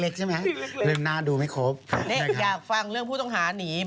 คุณอยากฟังเรื่องผู้ต้องหาอยากหนีไหม